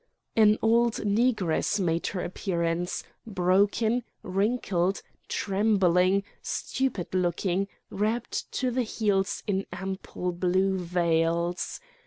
An old Negress made her appearance, broken, wrinkled, trembling, stupid looking, wrapped to the heels in ample blue veils.